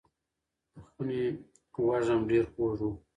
د خونې وږم ډېر خوږ و.